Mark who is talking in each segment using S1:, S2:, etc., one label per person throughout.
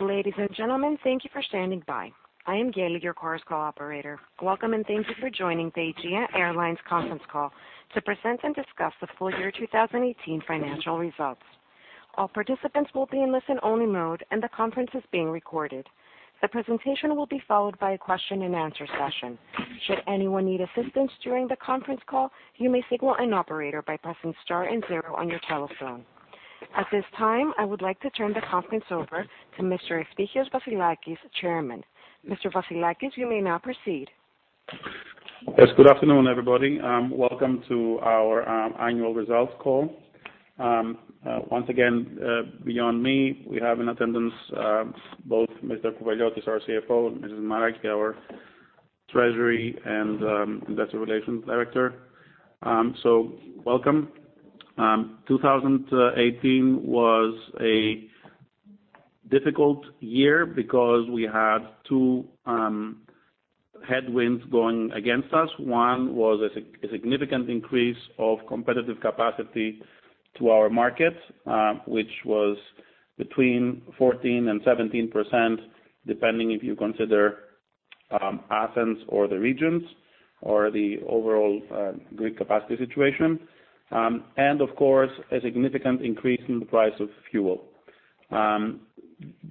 S1: Ladies and gentlemen, thank you for standing by. I am Gail, your Chorus Call operator. Welcome, and thank you for joining the Aegean Airlines conference call to present and discuss the full year 2018 financial results. All participants will be in listen only mode, the conference is being recorded. The presentation will be followed by a question and answer session. Should anyone need assistance during the conference call, you may signal an operator by pressing star and zero on your telephone. At this time, I would like to turn the conference over to Mr. Eftichios Vassilakis, Chairman. Mr. Vassilakis, you may now proceed.
S2: Yes, good afternoon, everybody. Welcome to our annual results call. Once again, beyond me, we have in attendance both Mr. Kouveliotis, our CFO, and Mrs. Dimaraki, our Treasury and Investor Relations Director. Welcome. 2018 was a difficult year because we had two headwinds going against us. One was a significant increase of competitive capacity to our markets, which was between 14%-17%, depending if you consider Athens or the regions or the overall Greek capacity situation. Of course, a significant increase in the price of fuel.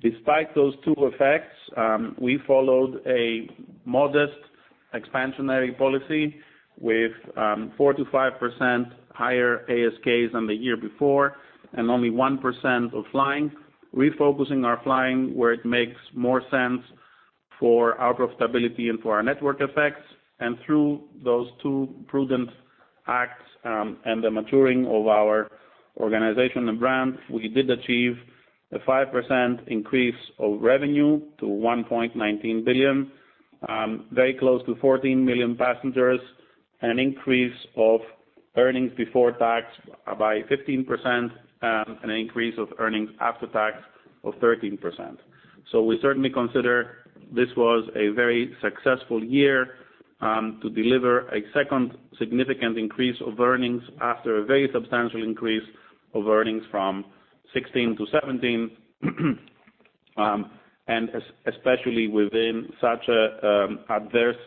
S2: Despite those two effects, we followed a modest expansionary policy with 4%-5% higher ASKs than the year before, and only 1% of flying, refocusing our flying where it makes more sense for our profitability and for our network effects. Through those two prudent acts and the maturing of our organization and brand, we did achieve a 5% increase of revenue to 1.19 billion, very close to 14 million passengers, an increase of earnings before tax by 15%, an increase of earnings after tax of 13%. We certainly consider this was a very successful year to deliver a second significant increase of earnings after a very substantial increase of earnings from 2016 to 2017. Especially within such adverse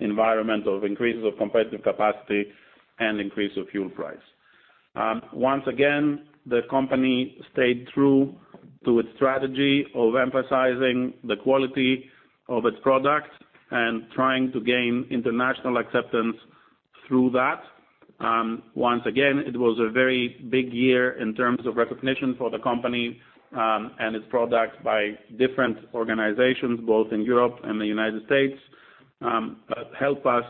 S2: environment of increases of competitive capacity and increase of fuel price. Once again, the company stayed true to its strategy of emphasizing the quality of its product and trying to gain international acceptance through that. Once again, it was a very big year in terms of recognition for the company and its products by different organizations, both in Europe and the U.S., that help us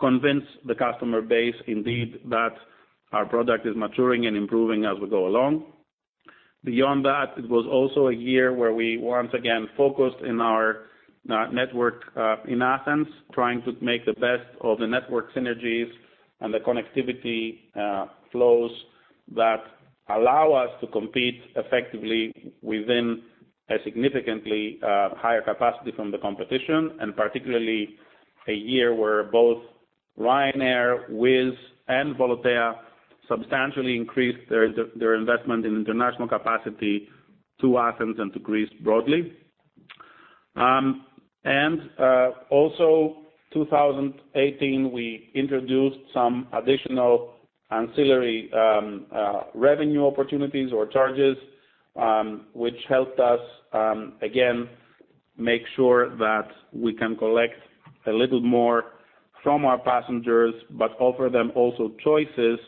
S2: convince the customer base indeed that our product is maturing and improving as we go along. Beyond that, it was also a year where we once again focused in our network in Athens, trying to make the best of the network synergies and the connectivity flows that allow us to compete effectively within a significantly higher capacity from the competition, and particularly a year where both Ryanair, Wizz, and Volotea substantially increased their investment in international capacity to Athens and to Greece broadly. In 2018, we introduced some additional ancillary revenue opportunities or charges, which helped us again, make sure that we can collect a little more from our passengers, but offer them also choices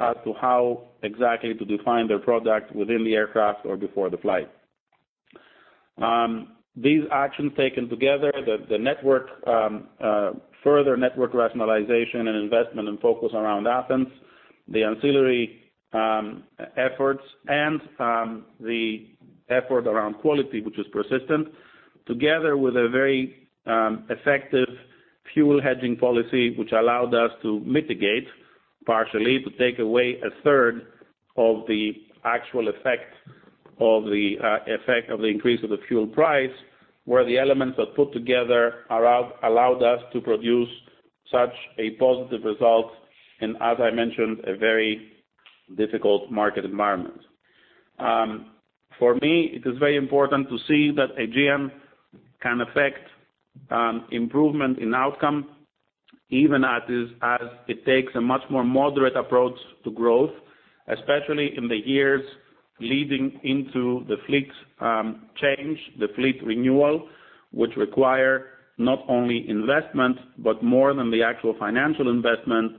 S2: as to how exactly to define their product within the aircraft or before the flight. These actions taken together, the further network rationalization and investment and focus around Athens, the ancillary efforts, and the effort around quality, which is persistent, together with a very effective fuel hedging policy, which allowed us to mitigate partially to take away a third of the actual effect of the increase of the fuel price, were the elements that put together allowed us to produce such a positive result in, as I mentioned, a very difficult market environment. For me, it is very important to see that Aegean can affect improvement in outcome even as it takes a much more moderate approach to growth, especially in the years leading into the fleet change, the fleet renewal, which require not only investment, but more than the actual financial investment,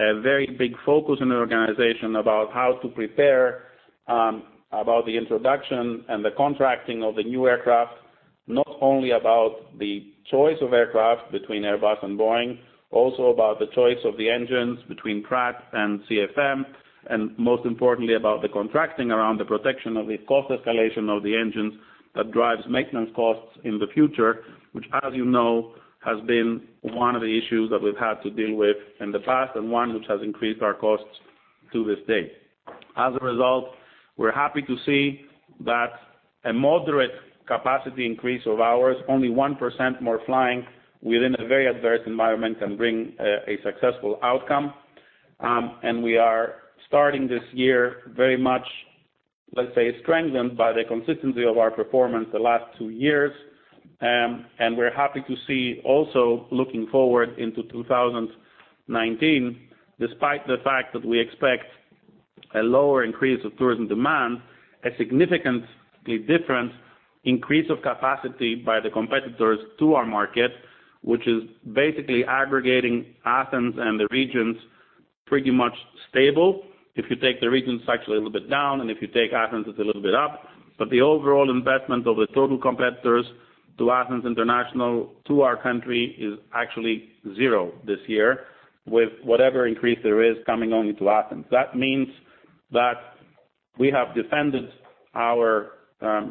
S2: a very big focus in the organization about how to prepare about the introduction and the contracting of the new aircraft, not only about the choice of aircraft between Airbus and Boeing, also about the choice of the engines between Pratt and CFM, and most importantly, about the contracting around the protection of the cost escalation of the engines that drives maintenance costs in the future, which, as you know, has been one of the issues that we've had to deal with in the past and one which has increased our costs to this day. As a result, we're happy to see that a moderate capacity increase of ours, only 1% more flying within a very adverse environment, can bring a successful outcome. We are starting this year very much, let's say, strengthened by the consistency of our performance the last two years. We're happy to see also looking forward into 2019, despite the fact that we expect a lower increase of tourism demand, a significantly different increase of capacity by the competitors to our market, which is basically aggregating Athens and the regions pretty much stable. If you take the regions, it's actually a little bit down, and if you take Athens, it's a little bit up. The overall investment of the total competitors to Athens International, to our country, is actually zero this year, with whatever increase there is coming only to Athens. That means that we have defended our,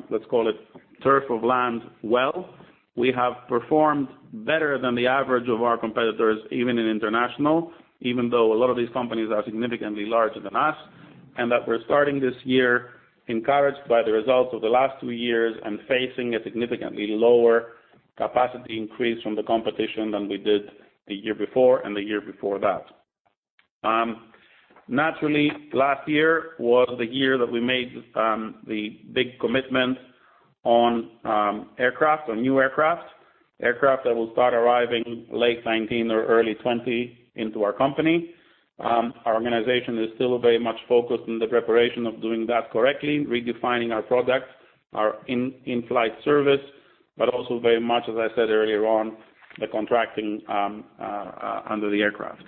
S2: let's call it turf of land well. We have performed better than the average of our competitors, even in international, even though a lot of these companies are significantly larger than us, and that we're starting this year encouraged by the results of the last two years and facing a significantly lower capacity increase from the competition than we did the year before and the year before that. Naturally, last year was the year that we made the big commitment on new aircraft that will start arriving late 2019 or early 2020 into our company. Our organization is still very much focused on the preparation of doing that correctly, redefining our product, our in-flight service, but also very much, as I said earlier on, the contracting under the aircraft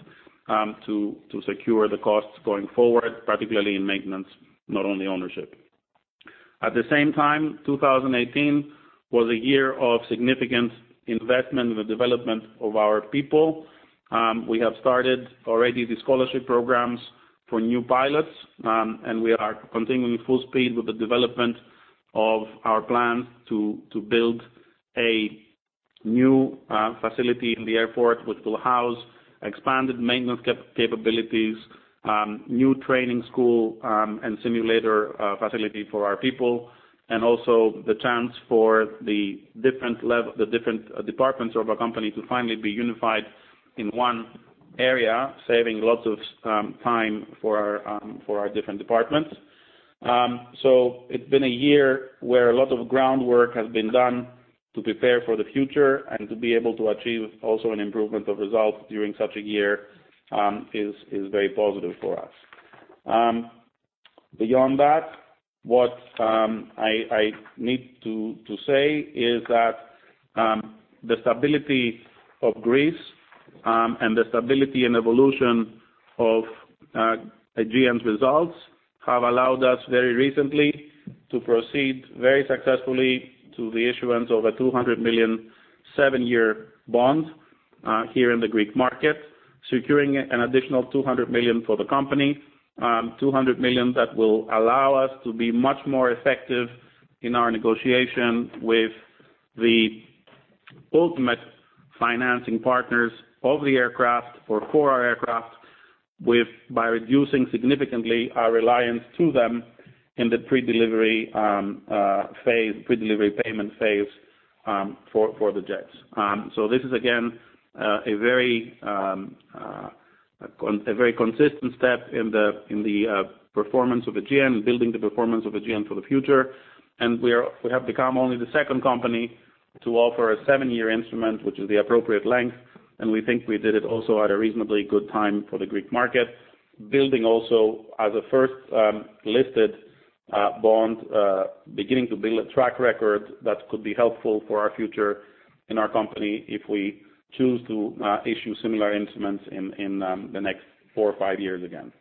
S2: to secure the costs going forward, particularly in maintenance, not only ownership. At the same time, 2018 was a year of significant investment in the development of our people. We have started already the scholarship programs for new pilots, we are continuing full speed with the development of our plans to build a new facility in the airport, which will house expanded maintenance capabilities, new training school, and simulator facility for our people, and also the chance for the different departments of our company to finally be unified in one area, saving lots of time for our different departments. It's been a year where a lot of groundwork has been done to prepare for the future and to be able to achieve also an improvement of results during such a year is very positive for us. Beyond that, what I need to say is that the stability of Greece and the stability and evolution of Aegean's results have allowed us very recently to proceed very successfully to the issuance of a 200 million seven-year bond here in the Greek market, securing an additional 200 million for the company. 200 million that will allow us to be much more effective in our negotiation with the ultimate financing partners of the aircraft or for our aircraft by reducing significantly our reliance to them in the predelivery payment phase for the jets. This is again, a very consistent step in the performance of Aegean, building the performance of Aegean for the future. We have become only the second company to offer a seven-year instrument, which is the appropriate length, and we think we did it also at a reasonably good time for the Greek market. Building also as a first listed bond, beginning to build a track record that could be helpful for our future in our company if we choose to issue similar instruments in the next four or five years again.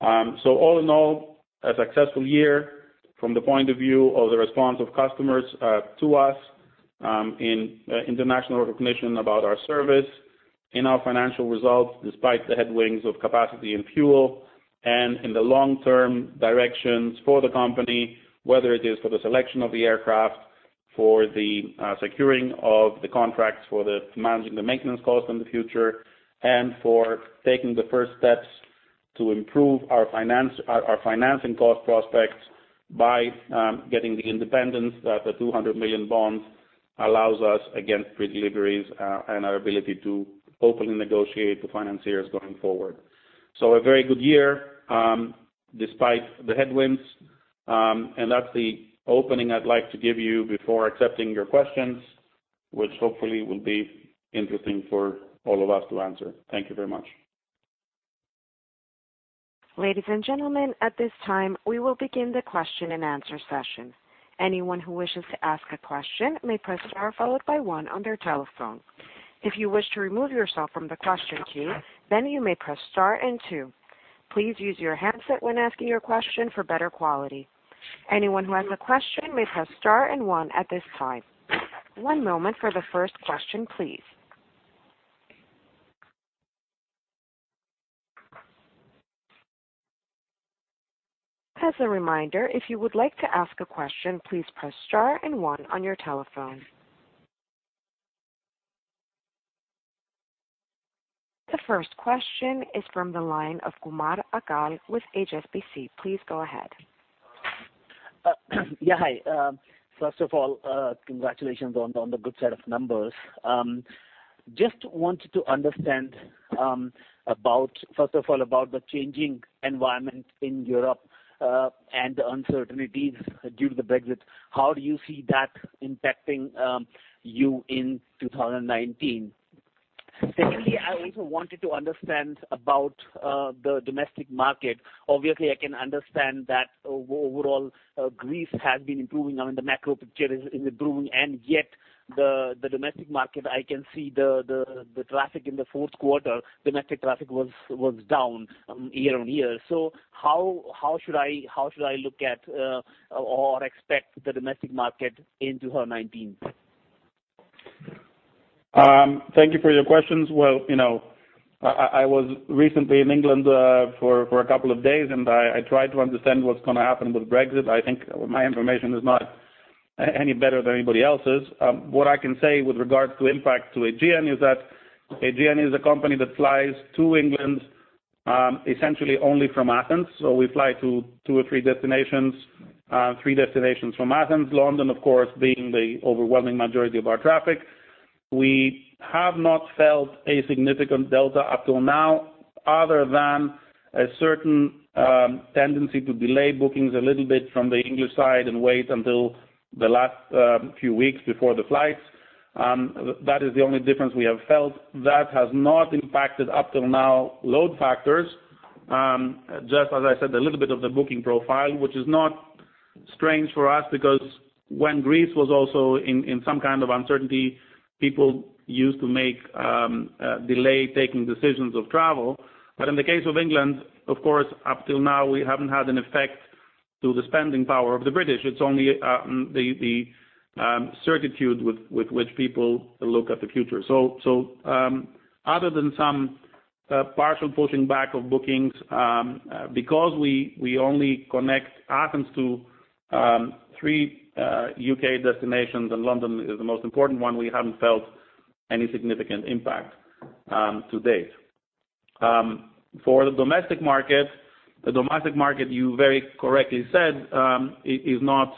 S2: All in all, a successful year from the point of view of the response of customers to us in international recognition about our service, in our financial results, despite the headwinds of capacity and fuel, and in the long-term directions for the company, whether it is for the selection of the aircraft, for the securing of the contracts, for the managing the maintenance costs in the future, and for taking the first steps to improve our financing cost prospects by getting the independence that the 200 million bonds allows us against predeliveries and our ability to openly negotiate with financiers going forward. A very good year despite the headwinds. That's the opening I'd like to give you before accepting your questions, which hopefully will be interesting for all of us to answer. Thank you very much.
S1: Ladies and gentlemen, at this time, we will begin the question and answer session. Anyone who wishes to ask a question may press star followed by one on their telephone. If you wish to remove yourself from the question queue, then you may press star and two. Please use your handset when asking your question for better quality. Anyone who has a question may press star and one at this time. One moment for the first question, please. As a reminder, if you would like to ask a question, please press star and one on your telephone. The first question is from the line of Kumar Achal with HSBC. Please go ahead.
S3: Yeah, hi. First of all, congratulations on the good set of numbers. Just wanted to understand, first of all, about the changing environment in Europe and the uncertainties due to the Brexit. How do you see that impacting you in 2019? Secondly, I also wanted to understand about the domestic market. Obviously, I can understand that overall Greece has been improving now, and the macro picture is improving, and yet the domestic market, I can see the traffic in the fourth quarter, domestic traffic was down year-over-year. So how should I look at or expect the domestic market in 2019?
S2: Thank you for your questions. Well, I was recently in England for a couple of days, and I tried to understand what's going to happen with Brexit. I think my information is not any better than anybody else's. What I can say with regards to impact to Aegean is that Aegean is a company that flies to England essentially only from Athens. So we fly to two or three destinations, three destinations from Athens, London, of course, being the overwhelming majority of our traffic. We have not felt a significant delta up till now, other than a certain tendency to delay bookings a little bit from the English side and wait until the last few weeks before the flights. That is the only difference we have felt. That has not impacted, up till now, load factors. Just as I said, a little bit of the booking profile, which is not strange for us because when Greece was also in some kind of uncertainty, people used to delay taking decisions of travel. But in the case of England, of course, up till now, we haven't had an effect to the spending power of the British. It's only the certitude with which people look at the future. So other than some partial pushing back of bookings, because we only connect Athens to three U.K. destinations, and London is the most important one, we haven't felt any significant impact to date. For the domestic market, the domestic market, you very correctly said is not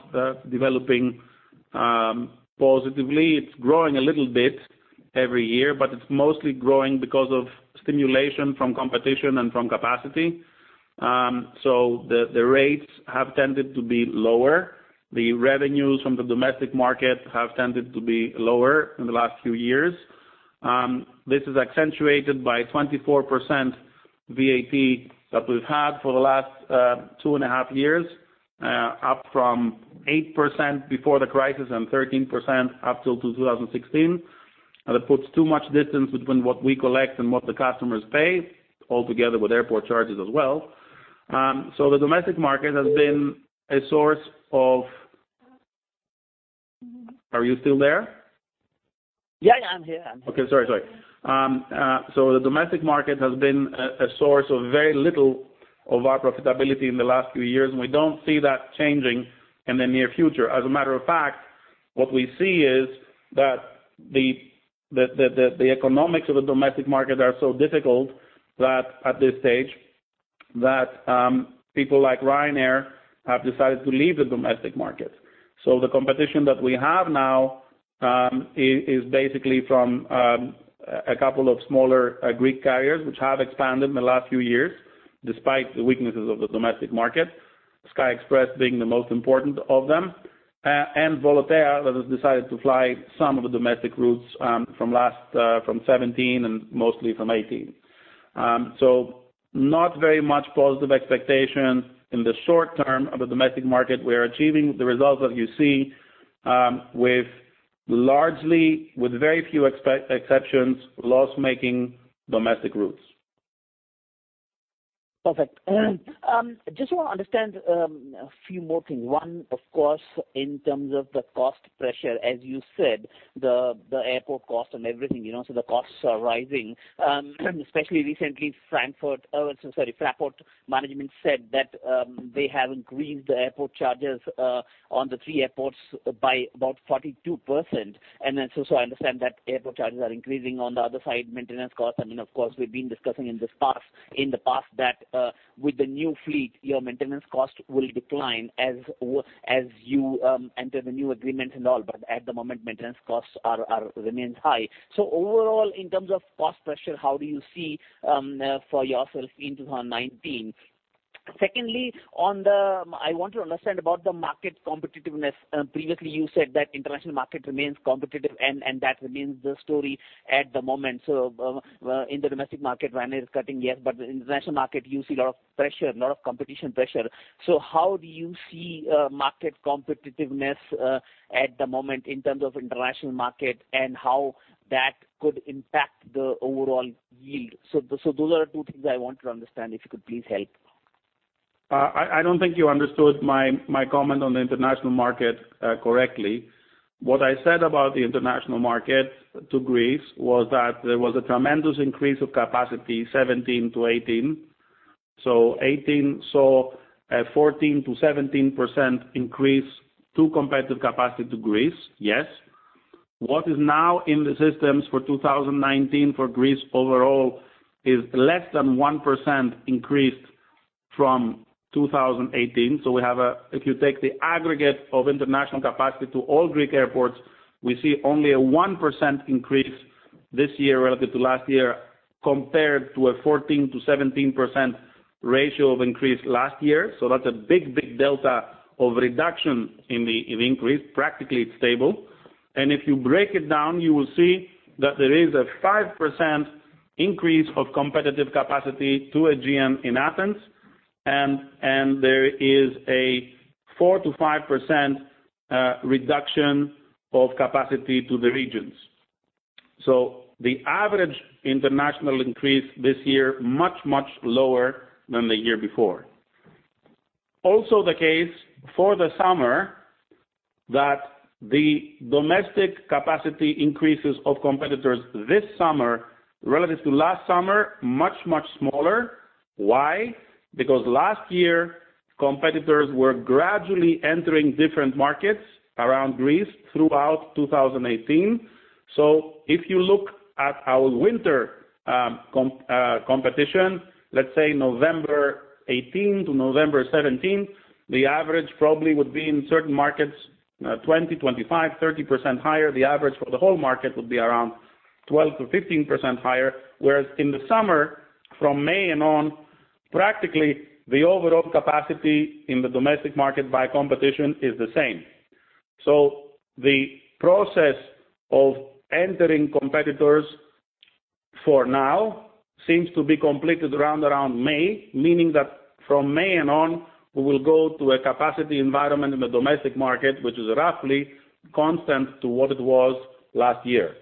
S2: developing positively. It's growing a little bit every year, but it's mostly growing because of stimulation from competition and from capacity. So the rates have tended to be lower. The revenues from the domestic market have tended to be lower in the last few years. This is accentuated by 24% VAT that we've had for the last 2.5 Years, up from 8% before the crisis and 13% up till 2016. That puts too much distance between what we collect and what the customers pay, all together with airport charges as well. The domestic market has been a source of Are you still there?
S3: Yeah, I'm here.
S2: Okay. Sorry. The domestic market has been a source of very little of our profitability in the last few years. We don't see that changing in the near future. As a matter of fact, what we see is that the economics of the domestic market are so difficult at this stage that people like Ryanair have decided to leave the domestic market. The competition that we have now is basically from a couple of smaller Greek carriers which have expanded in the last few years despite the weaknesses of the domestic market, SKY express being the most important of them, and Volotea, that has decided to fly some of the domestic routes from 2017 and mostly from 2018. Not very much positive expectation in the short term of the domestic market. We're achieving the results that you see with very few exceptions, loss-making domestic routes.
S3: Perfect. Just want to understand a few more things. One, of course, in terms of the cost pressure, as you said, the airport cost and everything. The costs are rising, especially recently, Frankfurt, oh, I'm so sorry, Fraport management said that they have increased the airport charges on the three airports by about 42%. I understand that airport charges are increasing on the other side, maintenance costs. I mean, of course, we've been discussing in the past that with the new fleet, your maintenance cost will decline as you enter the new agreement and all. At the moment, maintenance costs remains high. Overall, in terms of cost pressure, how do you see for yourself in 2019? Secondly, I want to understand about the market competitiveness. Previously, you said that international market remains competitive, and that remains the story at the moment. In the domestic market, Ryanair is cutting, in the international market, you see a lot of pressure, a lot of competition pressure. How do you see market competitiveness at the moment in terms of international market, and how that could impact the overall yield? Those are two things I want to understand, if you could please help.
S2: I don't think you understood my comment on the international market correctly. What I said about the international market to Greece was that there was a tremendous increase of capacity 2017-2018. 2018 saw a 14%-17% increase to competitive capacity to Greece. What is now in the systems for 2019 for Greece overall is less than 1% increase from 2018. If you take the aggregate of international capacity to all Greek airports, we see only a 1% increase this year relative to last year compared to a 14%-17% ratio of increase last year. That's a big, big Delta of reduction in the increase. Practically, it's stable. If you break it down, you will see that there is a 5% increase of competitive capacity to Aegean in Athens, and there is a 4%-5% reduction of capacity to the regions. The average international increase this year, much, much lower than the year before. Also the case for the summer, that the domestic capacity increases of competitors this summer relative to last summer, much, much smaller. Why? Because last year, competitors were gradually entering different markets around Greece throughout 2018. If you look at our winter competition, let's say November 2018 to November 2017, the average probably would be in certain markets, 20%, 25%, 30% higher. The average for the whole market would be around 12%-15% higher, whereas in the summer, from May and on, practically the overall capacity in the domestic market by competition is the same. The process of entering competitors for now seems to be completed around May, meaning that from May and on, we will go to a capacity environment in the domestic market, which is roughly constant to what it was last year.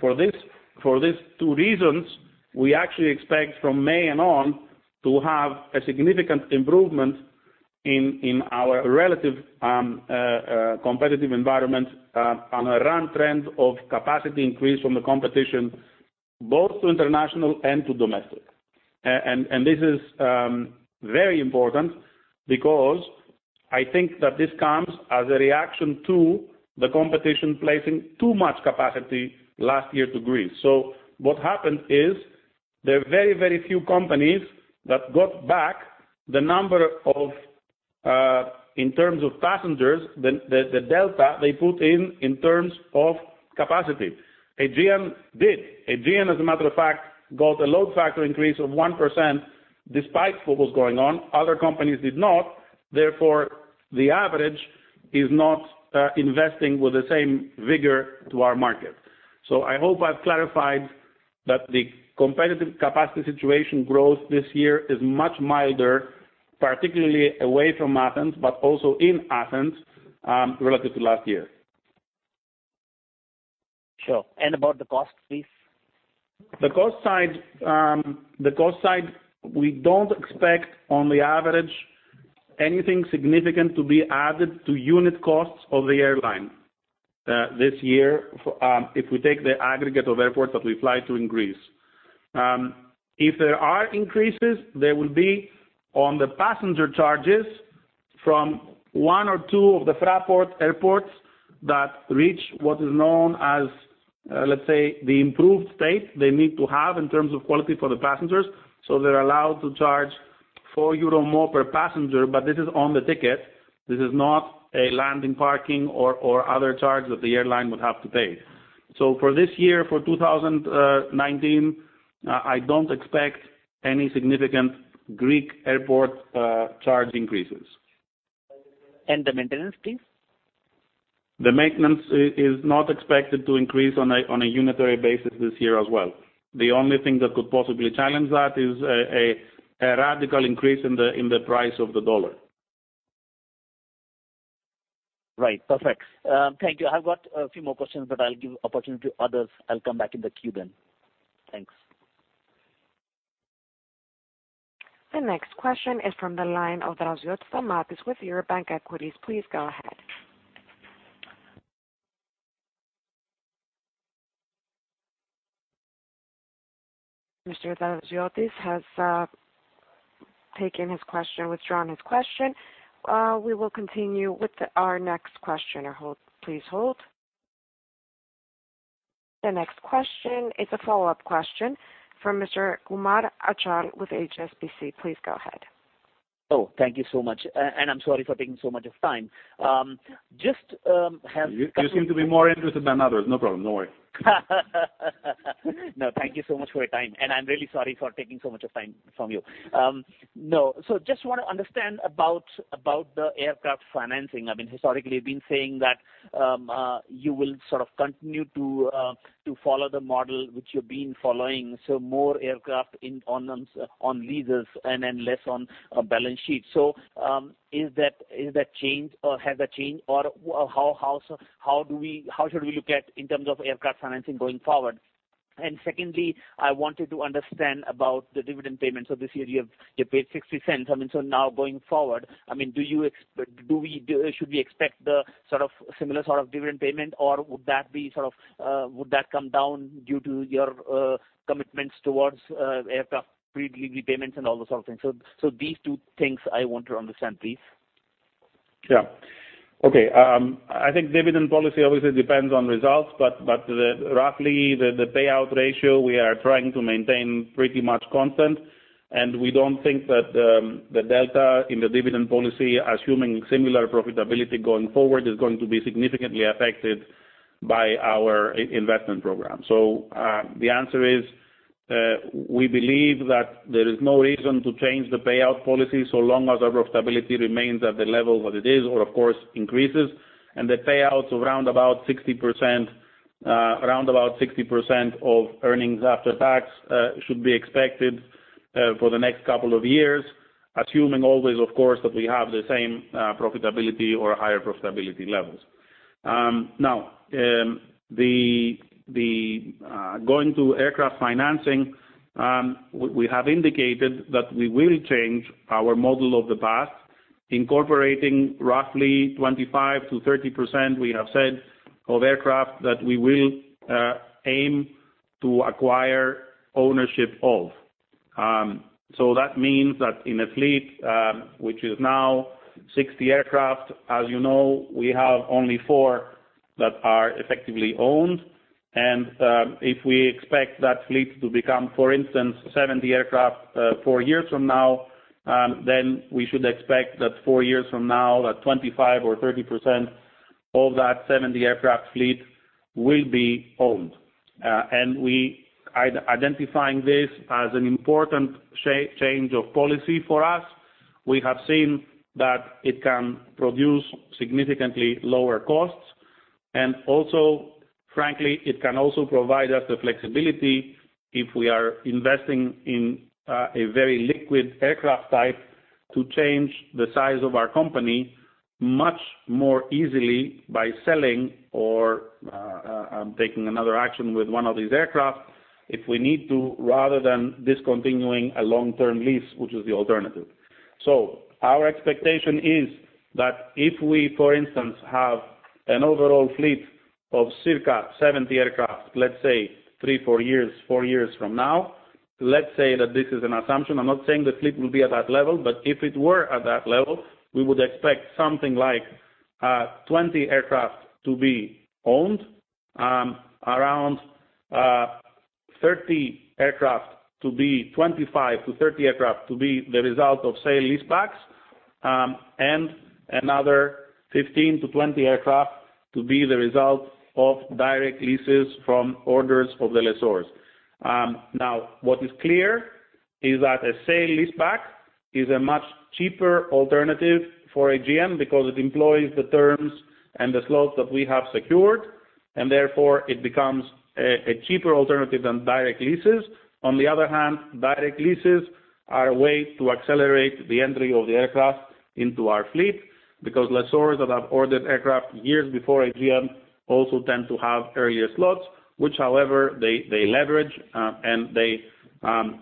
S2: For these two reasons, we actually expect from May and on to have a significant improvement in our relative competitive environment on a run trend of capacity increase from the competition, both to international and to domestic. This is very important because I think that this comes as a reaction to the competition placing too much capacity last year to Greece. What happened is there are very, very few companies that got back the number of, in terms of passengers, the Delta they put in terms of capacity. Aegean did. Aegean, as a matter of fact, got a load factor increase of 1% despite what was going on. Other companies did not. The average is not investing with the same vigor to our market. I hope I've clarified that the competitive capacity situation growth this year is much milder, particularly away from Athens, but also in Athens, relative to last year.
S3: Sure. About the cost, please?
S2: The cost side, we don't expect on the average anything significant to be added to unit costs of the airline this year if we take the aggregate of airports that we fly to in Greece. If there are increases, they will be on the passenger charges from one or two of the Fraport airports that reach what is known as, let's say, the improved state they need to have in terms of quality for the passengers. They're allowed to charge 4 euro more per passenger, but this is on the ticket. This is not a landing, parking, or other charge that the airline would have to pay. For this year, for 2019, I don't expect any significant Greek airport charge increases.
S3: The maintenance, please?
S2: The maintenance is not expected to increase on a unitary basis this year as well. The only thing that could possibly challenge that is a radical increase in the price of the U.S. dollar.
S3: Right. Perfect. Thank you. I have got a few more questions. I will give opportunity to others. I will come back in the queue. Thanks.
S1: The next question is from the line of Stamatios Draziotis with Eurobank Equities. Please go ahead. Mr. Draziotis has taken his question, withdrawn his question. We will continue with our next questioner. Please hold. The next question, it is a follow-up question from Mr. Kumar Achal with HSBC. Please go ahead.
S3: Thank you so much. I am sorry for taking so much of time.
S2: You seem to be more interested than others. No problem. No worry.
S3: No, thank you so much for your time, I'm really sorry for taking so much of time from you. No. Just want to understand about the aircraft financing. I mean, historically, you've been saying that you will sort of continue to follow the model which you've been following, more aircraft on leases and then less on balance sheet. Has that changed, or how should we look at in terms of aircraft financing going forward? Secondly, I wanted to understand about the dividend payments. This year you paid 0.60. I mean, now going forward, should we expect the sort of similar sort of dividend payment, or would that come down due to your commitments towards aircraft pre-delivery payments and all those sort of things? These two things I want to understand, please.
S2: Yeah. Okay. I think dividend policy obviously depends on results, roughly, the payout ratio, we are trying to maintain pretty much constant, we don't think that the Delta in the dividend policy, assuming similar profitability going forward, is going to be significantly affected by our investment program. The answer is, we believe that there is no reason to change the payout policy so long as our profitability remains at the level that it is or, of course, increases. The payouts around about 60% of earnings after tax should be expected for the next couple of years, assuming always, of course, that we have the same profitability or higher profitability levels. Now, going to aircraft financing, we have indicated that we will change our model of the past, incorporating roughly 25%-30%, we have said, of aircraft that we will aim to acquire ownership of. That means that in a fleet, which is now 60 aircraft, as you know, we have only four that are effectively owned. If we expect that fleet to become, for instance, 70 aircraft four years from now, we should expect that four years from now, that 25% or 30% of that 70 aircraft fleet will be owned. We identifying this as an important change of policy for us. We have seen that it can produce significantly lower costs. Also, frankly, it can also provide us the flexibility if we are investing in a very liquid aircraft type to change the size of our company much more easily by selling or taking another action with one of these aircraft if we need to, rather than discontinuing a long-term lease, which is the alternative. Our expectation is that if we, for instance, have an overall fleet of circa 70 aircraft, let's say three, four years from now. Let's say that this is an assumption. I'm not saying the fleet will be at that level, but if it were at that level, we would expect something like 20 aircraft to be owned, around 25-30 aircraft to be the result of sale leasebacks, and another 15-20 aircraft to be the result of direct leases from orders of the lessors. What is clear is that a sale leaseback is a much cheaper alternative for AGM because it employs the terms and the slots that we have secured, and therefore it becomes a cheaper alternative than direct leases. On the other hand, direct leases are a way to accelerate the entry of the aircraft into our fleet because lessors that have ordered aircraft years before AGM also tend to have earlier slots, which, however, they leverage and they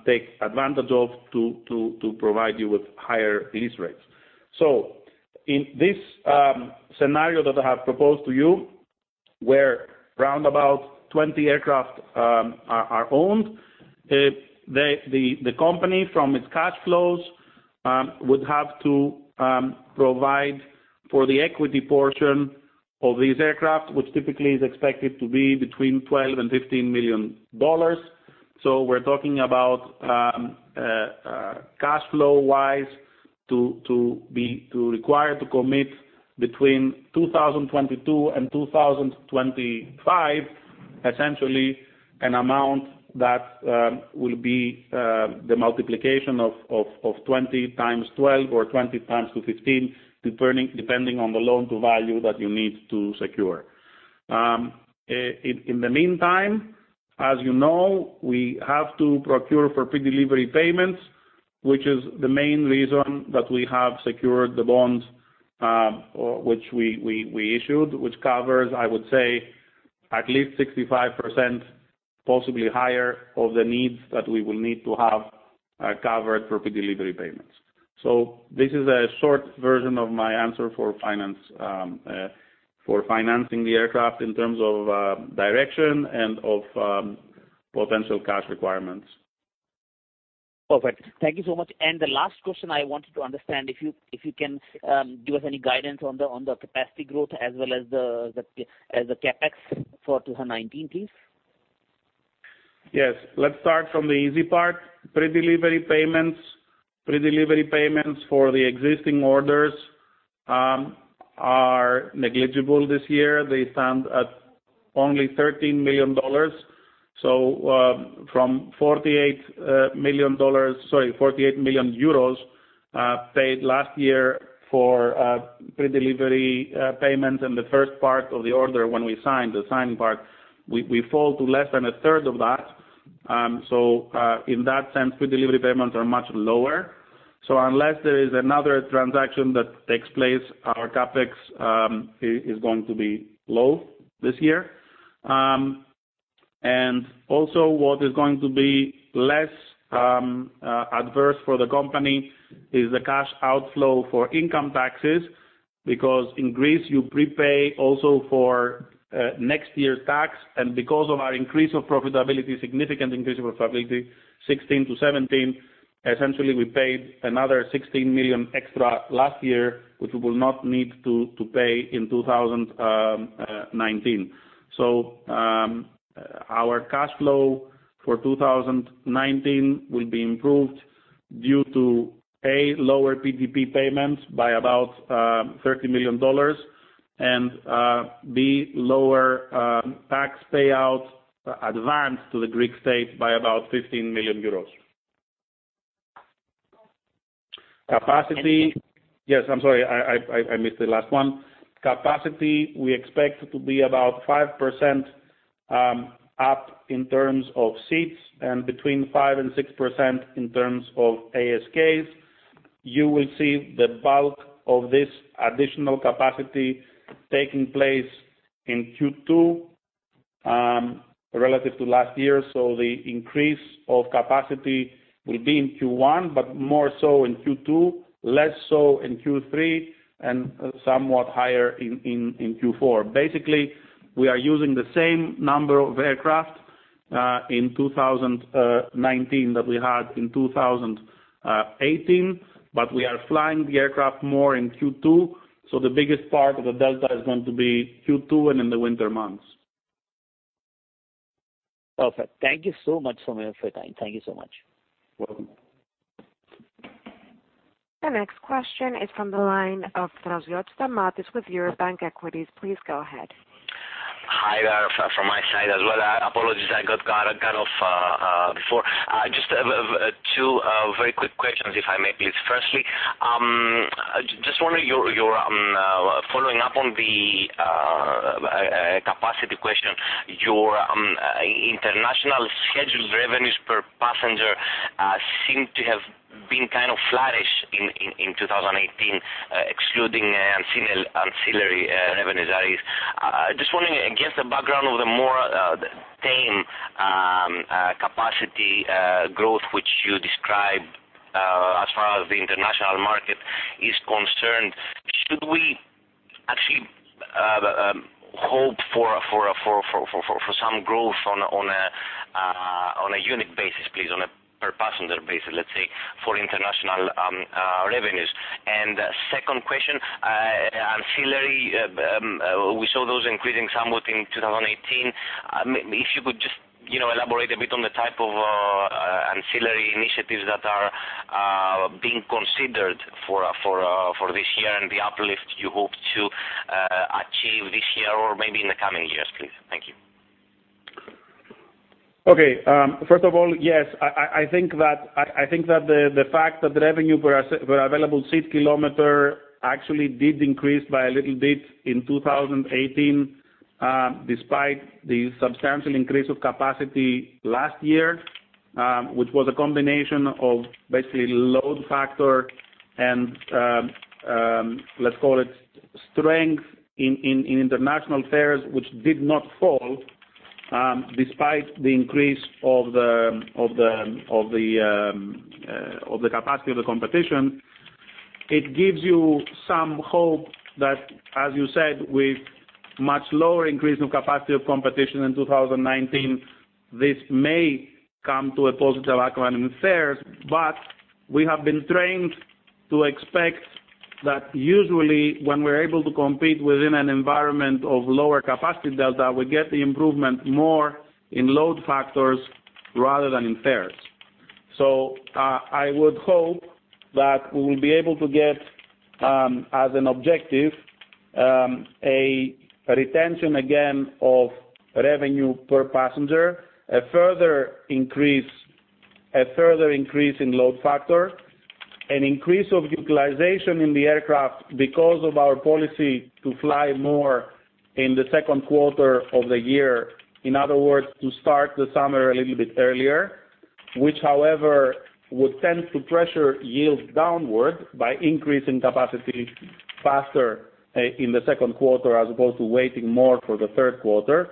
S2: take advantage of to provide you with higher lease rates. In this scenario that I have proposed to you, where around about 20 aircraft are owned, the company, from its cash flows, would have to provide for the equity portion of these aircraft, which typically is expected to be between 12 million and EUR 15 million. We're talking about cash flow wise to require to commit between 2022 and 2025, essentially an amount that will be the multiplication of 20x12 or 20x15, depending on the loan to value that you need to secure. In the meantime, as you know, we have to procure for predelivery payments, which is the main reason that we have secured the bond which we issued, which covers, I would say at least 65%, possibly higher of the needs that we will need to have covered for predelivery payments. This is a short version of my answer for financing the aircraft in terms of direction and of potential cash requirements.
S3: Perfect. Thank you so much. The last question I wanted to understand, if you can give us any guidance on the capacity growth as well as the CapEx for 2019, please.
S2: Yes. Let's start from the easy part. Predelivery payments for the existing orders are negligible this year. They stand at only EUR 13 million. From EUR 48 million, sorry, 48 million euros paid last year for predelivery payments in the first part of the order when we signed the signing part, we fall to less than a 1/3 of that. In that sense, predelivery payments are much lower. Unless there is another transaction that takes place, our CapEx is going to be low this year. Also what is going to be less adverse for the company is the cash outflow for income taxes, because in Greece, you prepay also for next year's tax. Because of our increase of profitability, significant increase of profitability 2016 to 2017. Essentially, we paid another 16 million extra last year, which we will not need to pay in 2019. Our cash flow for 2019 will be improved due to, A, lower PDP payments by about EUR 30 million, and B, lower tax payout advance to the Greek state by about 15 million euros. Capacity. Yes, I'm sorry. I missed the last one. Capacity, we expect to be about 5% up in terms of seats and between 5% and 6% in terms of ASKs. You will see the bulk of this additional capacity taking place in Q2 relative to last year. The increase of capacity will be in Q1, but more so in Q2, less so in Q3, and somewhat higher in Q4. Basically, we are using the same number of aircraft in 2019 that we had in 2018, but we are flying the aircraft more in Q2, the biggest part of the Delta is going to be Q2 and in the winter months.
S3: Perfect. Thank you so much for your time. Thank you so much.
S1: The next question is from the line of Draziotis Stamatios with Eurobank Equities. Please go ahead.
S4: Hi there from my side as well. Apologies, I got cut off before. Just two very quick questions, if I may, please. Firstly, just following up on the capacity question. Your international scheduled revenues per passenger seem to have been kind of flat-ish in 2018, excluding ancillary revenues, that is. Just wondering, against the background of the more tame capacity growth which you describe as far as the international market is concerned, should we actually hope for some growth on a unit basis, please, on a per passenger basis, let's say, for international revenues? Second question, ancillary, we saw those increasing somewhat in 2018. If you could just elaborate a bit on the type of ancillary initiatives that are being considered for this year and the uplift you hope to achieve this year or maybe in the coming years, please. Thank you.
S2: Okay. First of all, yes, I think that the fact that the revenue per available seat kilometer actually did increase by a little bit in 2018, despite the substantial increase of capacity last year which was a combination of basically load factor and, let's call it strength in international fares, which did not fall despite the increase of the capacity of the competition. It gives you some hope that, as you said, with much lower increase of capacity of competition in 2019, this may come to a positive outcome in fares. We have been trained to expect that usually when we're able to compete within an environment of lower capacity delta, we get the improvement more in load factors rather than in fares. I would hope that we will be able to get, as an objective, a retention again of revenue per passenger, a further increase in load factor, an increase of utilization in the aircraft because of our policy to fly more in the second quarter of the year. In other words, to start the summer a little bit earlier, which however would tend to pressure yield downward by increasing capacity faster in the second quarter as opposed to waiting more for the third quarter.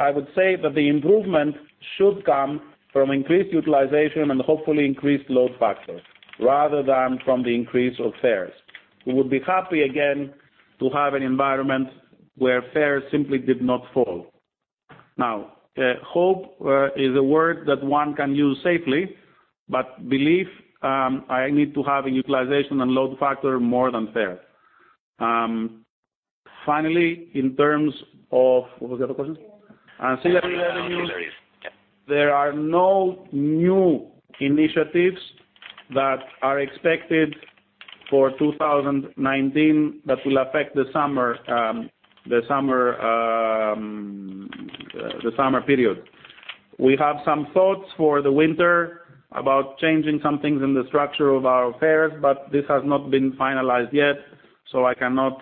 S2: I would say that the improvement should come from increased utilization and hopefully increased load factors rather than from the increase of fares. We would be happy again to have an environment where fares simply did not fall. Now, hope is a word that one can use safely, but believe I need to have a utilization and load factor more than fare. Finally, in terms of, what was the other question? Ancillary revenues.
S4: Ancillary, yes.
S2: There are no new initiatives that are expected for 2019 that will affect the summer period. We have some thoughts for the winter about changing some things in the structure of our fares, but this has not been finalized yet, so I cannot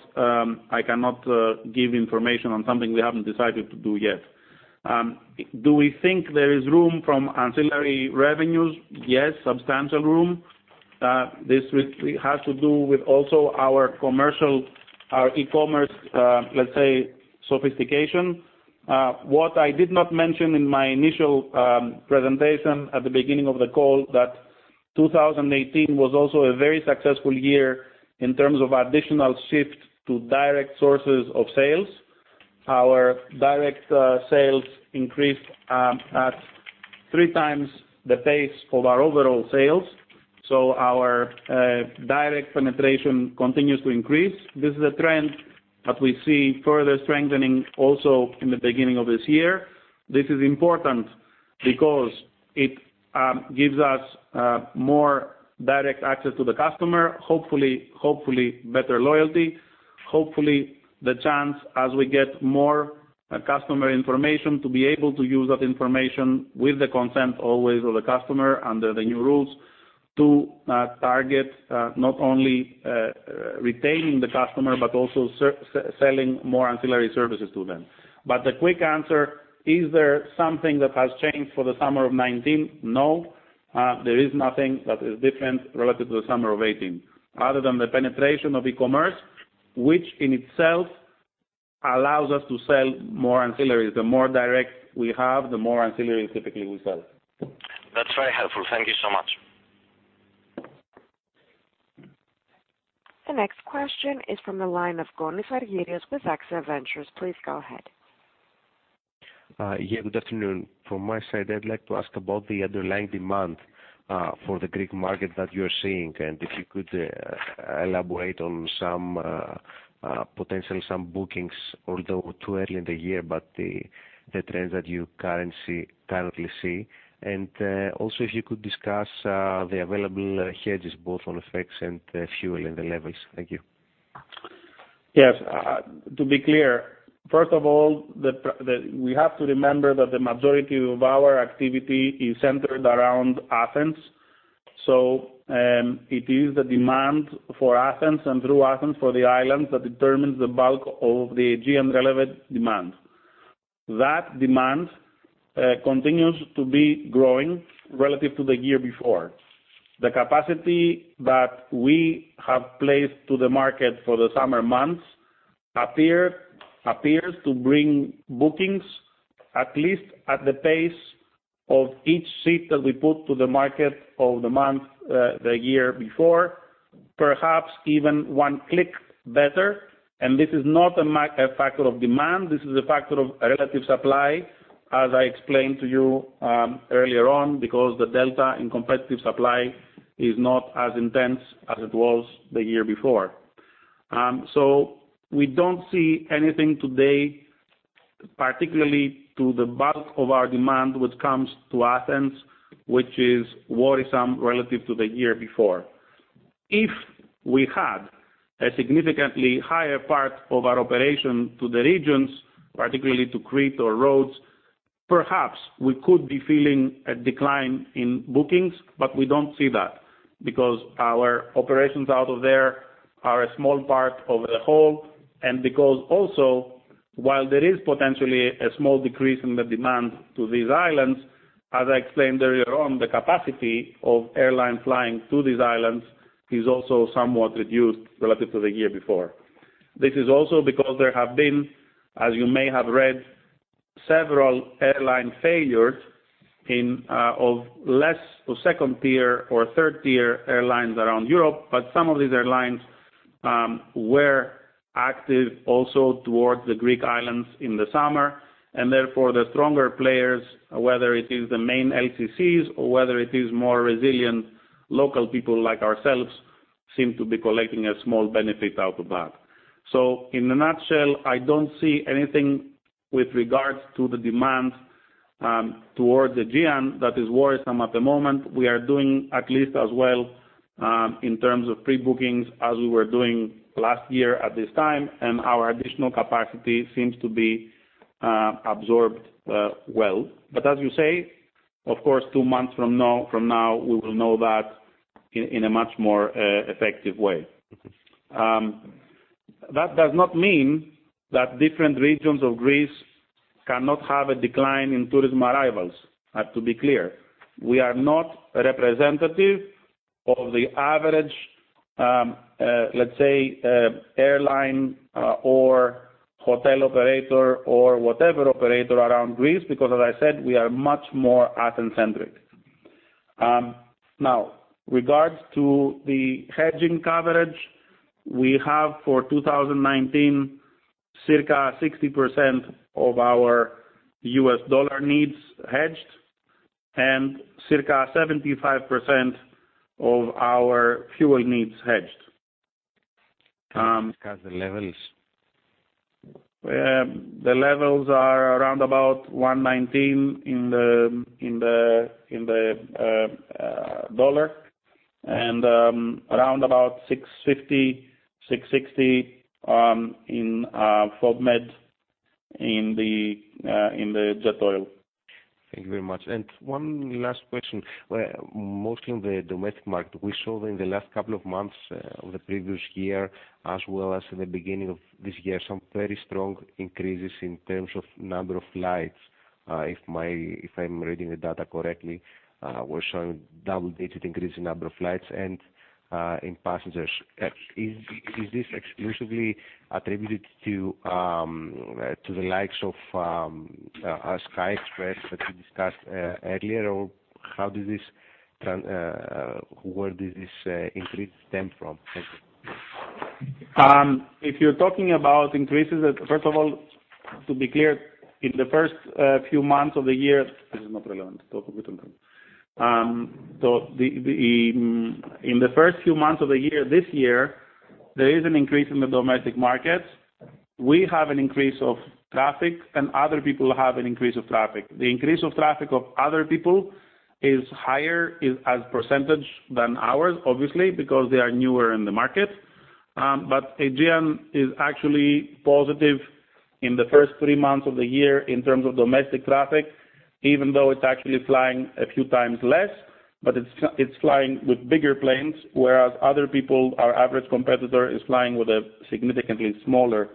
S2: give information on something we haven't decided to do yet. Do we think there is room from ancillary revenues? Yes, substantial room. This has to do with also our commercial, our e-commerce, let's say sophistication. What I did not mention in my initial presentation at the beginning of the call that 2018 was also a very successful year in terms of additional shift to direct sources of sales. Our direct sales increased at three times the pace of our overall sales. Our direct penetration continues to increase. This is a trend that we see further strengthening also in the beginning of this year. This is important because it gives us more direct access to the customer, hopefully better loyalty, hopefully the chance as we get more customer information, to be able to use that information with the consent always of the customer, under the new rules, to target not only retaining the customer but also selling more ancillary services to them. The quick answer, is there something that has changed for the summer of 2019? No, there is nothing that is different relative to the summer of 2018, other than the penetration of e-commerce, which in itself allows us to sell more ancillaries. The more direct we have, the more ancillaries typically we sell.
S4: That's very helpful. Thank you so much.
S1: The next question is from the line of Con Zouzoulas with AXIA Ventures. Please go ahead.
S5: Yeah, good afternoon. From my side, I'd like to ask about the underlying demand for the Greek market that you're seeing, if you could elaborate on potentially some bookings, although too early in the year, but the trends that you currently see. Also if you could discuss the available hedges, both on effects and fuel and the levels. Thank you.
S2: Yes. To be clear, first of all, we have to remember that the majority of our activity is centered around Athens. It is the demand for Athens and through Athens for the islands that determines the bulk of the Aegean relevant demand. That demand continues to be growing relative to the year before. The capacity that we have placed to the market for the summer months appears to bring bookings, at least at the pace of each seat that we put to the market of the month, the year before, perhaps even one click better. This is not a factor of demand, this is a factor of relative supply, as I explained to you earlier on, because the delta in competitive supply is not as intense as it was the year before. We don't see anything today, particularly to the bulk of our demand, which comes to Athens, which is worrisome relative to the year before. If we had a significantly higher part of our operation to the regions, particularly to Crete or Rhodes, perhaps we could be feeling a decline in bookings, we don't see that because our operations out of there are a small part of the whole, because also while there is potentially a small decrease in the demand to these islands, as I explained earlier on, the capacity of airlines flying to these islands is also somewhat reduced relative to the year before. This is also because there have been, as you may have read, several airline failures of less or second tier or third tier airlines around Europe, but some of these airlines were active also towards the Greek islands in the summer, and therefore the stronger players, whether it is the main LCCs or whether it is more resilient local people like ourselves, seem to be collecting a small benefit out of that. In a nutshell, I don't see anything with regards to the demand towards Aegean that is worrisome at the moment. We are doing at least as well in terms of pre-bookings as we were doing last year at this time, and our additional capacity seems to be absorbed well. As you say, of course, two months from now, we will know that in a much more effective way. That does not mean that different regions of Greece cannot have a decline in tourism arrivals, to be clear. We are not representative of the average, let's say, airline or hotel operator or whatever operator around Greece, because as I said, we are much more Athens centric. Now, regards to the hedging coverage, we have for 2019, circa 60% of our U.S. dollar needs hedged and circa 75% of our fuel needs hedged.
S5: Can you discuss the levels?
S2: The levels are around about 119 in the U.S. dollar and around about $650, $660 in FOB Med in the jet oil.
S5: Thank you very much. One last question. Mostly on the domestic market, we saw that in the last couple of months of the previous year as well as in the beginning of this year, some very strong increases in terms of number of flights. If I'm reading the data correctly, we're showing double-digit increase in number of flights and in passengers. Is this exclusively attributed to the likes of SKY express that we discussed earlier, or where did this increase stem from? Thank you.
S2: If you're talking about increases, first of all, to be clear, in the first few months of the year, this year, there is an increase in the domestic markets. We have an increase of traffic and other people have an increase of traffic. The increase of traffic of other people is higher as percentage than ours, obviously, because they are newer in the market. Aegean is actually positive in the first three months of the year in terms of domestic traffic, even though it's actually flying a few times less, but it's flying with bigger planes, whereas other people, our average competitor is flying with a significantly smaller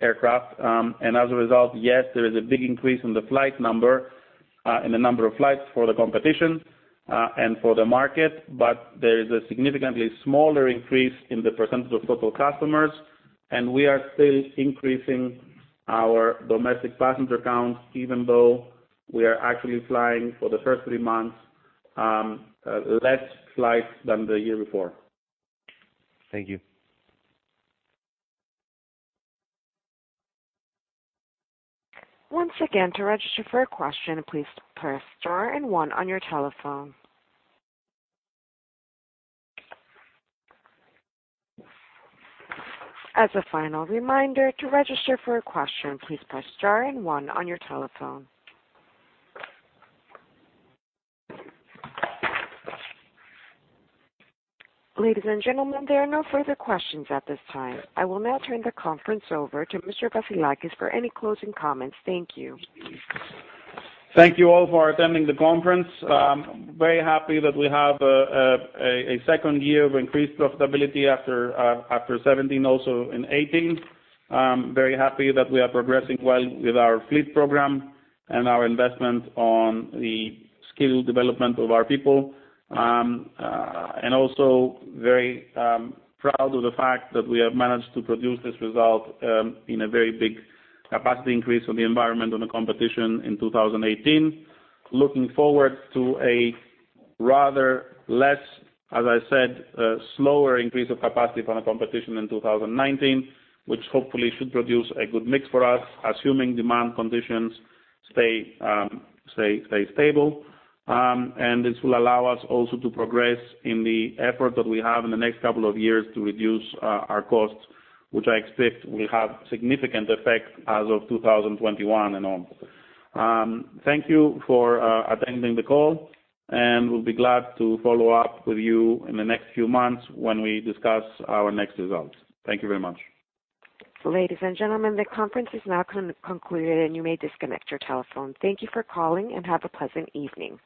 S2: aircraft. As a result, yes, there is a big increase in the number of flights for the competition, and for the market, but there is a significantly smaller increase in the percentage of total customers, and we are still increasing our domestic passenger counts, even though we are actually flying for the first three months less flights than the year before.
S5: Thank you.
S1: Once again, to register for a question, please press star and one on your telephone. As a final reminder, to register for a question, please press star and one on your telephone. Ladies and gentlemen, there are no further questions at this time. I will now turn the conference over to Mr. Vassilakis for any closing comments. Thank you.
S2: Thank you all for attending the conference. Very happy that we have a second year of increased profitability after 2017, also in 2018. Very happy that we are progressing well with our fleet program and our investment on the skill development of our people. Also very proud of the fact that we have managed to produce this result in a very big capacity increase on the environment on the competition in 2018. Looking forward to a rather less, as I said, slower increase of capacity from the competition in 2019, which hopefully should produce a good mix for us, assuming demand conditions stay stable. This will allow us also to progress in the effort that we have in the next couple of years to reduce our costs, which I expect will have significant effect as of 2021 and on. Thank you for attending the call. We'll be glad to follow up with you in the next few months when we discuss our next results. Thank you very much.
S1: Ladies and gentlemen, the conference is now concluded. You may disconnect your telephone. Thank you for calling, have a pleasant evening.